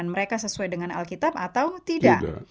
dan mereka sesuai dengan alkitab atau tidak